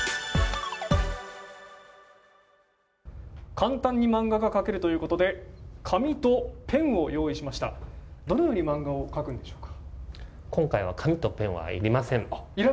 簡単にマンガが描けるということで、紙とペンを用意しましたどのようにマンガを描くんでしょうか。